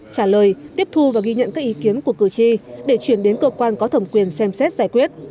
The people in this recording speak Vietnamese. trả lời tiếp thu và ghi nhận các ý kiến của cử tri để chuyển đến cơ quan có thẩm quyền xem xét giải quyết